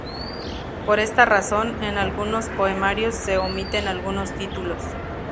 Por esta razón, en algunos poemarios se omiten algunos títulos.